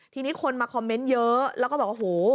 ทีนี้คนมาคอมเมนต์เยอะแล้วก็บอกว่าโห